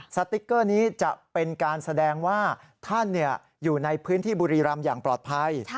สติ๊กเกอร์นี้จะเป็นการแสดงว่าท่านอยู่ในพื้นที่บุรีรำอย่างปลอดภัย